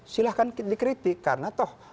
silahkan dikritik karena toh